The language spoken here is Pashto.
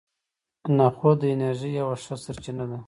نخود د انرژۍ یوه ښه سرچینه ده.